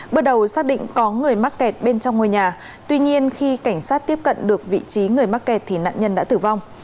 bước đầu xác định có người mắc kẹt bên trong ngôi nhà tuy nhiên khi cảnh sát tiếp cận được vị trí người mắc kẹt thì nạn nhân đã tử vong